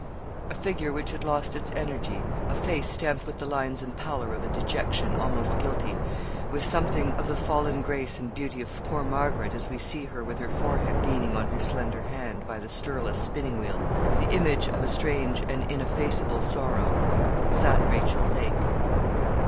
A figure which had lost its energy a face stamped with the lines and pallor of a dejection almost guilty with something of the fallen grace and beauty of poor Margaret, as we see her with her forehead leaning on her slender hand, by the stirless spinning wheel the image of a strange and ineffaceable sorrow, sat Rachel Lake.